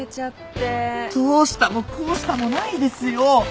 どうしたもこうしたもないですよ！